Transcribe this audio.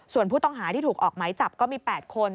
ส่วนผู้ต้องหาที่ถูกออกไหมจับก็มี๘คน